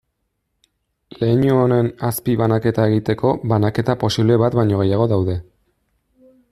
Leinu honen azpibanaketa egiteko banaketa posible bat baino gehiago daude.